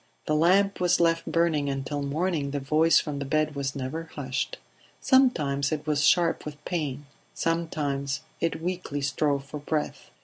The lamp was left burning, and till morning the voice from the bed was never hushed. Sometimes it was sharp with pain; sometimes it weakly strove for breath.